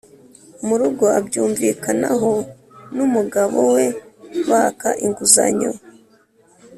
mu rugo abyumvikanaho n’umugabo we baka inguzanyo